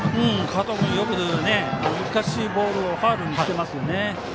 加藤君よく難しいボールをファウルにしていますね。